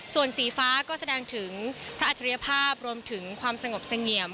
ส่วนสีฟ้าก็แสดงถึงพระอัจฉริยภาพรวมถึงความสงบเสงี่ยม